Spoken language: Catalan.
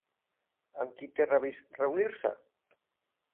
Amb qui té revist reunir-se?